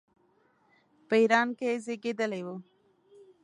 په ایران کې زېږېدلی وو.